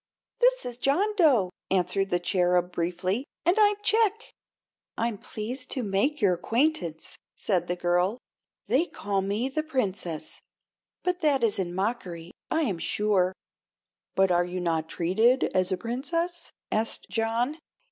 "This is John Dough," answered the Cherub, briefly; "and I'm Chick." "I'm pleased to make your acquaintance," said the girl. "They call me the Princess; but that is in mockery, I am sure." "But are you not treated as a Princess?" asked John.